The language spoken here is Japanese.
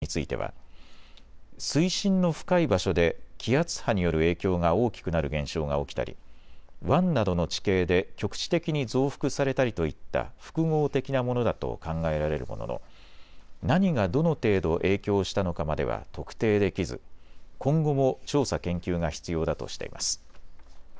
最大で１メートルを超える高さに達した理由については水深の深い場所で気圧波による影響が大きくなる現象が起きたり湾などの地形で局地的に増幅されたりといった複合的なものだと考えられるものの何がどの程度影響したのかまでは特定できず今後も調査・研究が必要だとしています。